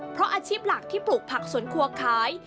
เพราะอาชีพหลักที่ปลูกผักสวนครัวขาย